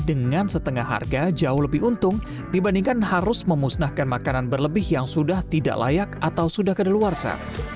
dengan setengah harga jauh lebih untung dibandingkan harus memusnahkan makanan berlebih yang sudah tidak layak atau sudah kedaluarsa